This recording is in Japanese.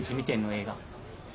映画。